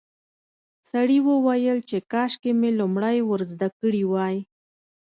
سړي وویل چې کاشکې مې لومړی ور زده کړي وای.